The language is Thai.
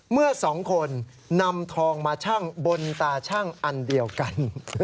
เมื่อสองคนนำทองมาชั่งบนตาชั่งอันเดียวกัน